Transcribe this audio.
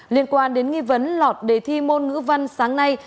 liên quan đến nghi vấn lọt đề thi môn ngữ văn sáng nay